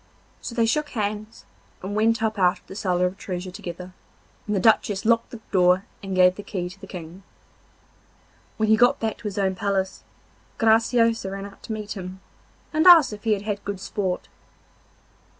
So they shook hands and went up out of the cellar of treasure together, and the Duchess locked the door and gave the key to the King. When he got back to his own palace Graciosa ran out to meet him, and asked if he had had good sport.